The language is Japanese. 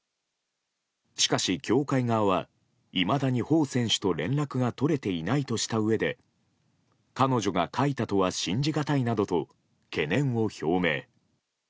しかし、協会側はいまだにホウ選手と連絡が取れていないとしたうえで彼女が書いたとは信じがたいなどと懸念を表明。